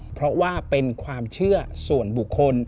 เพราะว่าเป็นความเชื่อส่วนบุคคล